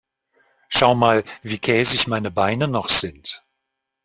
Schaut mal, wie käsig meine Beine noch sind.